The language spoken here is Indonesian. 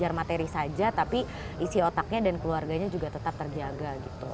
jadi tidak hanya mengejar materi saja tetapi isi otaknya dan keluarganya juga tetap terjaga gitu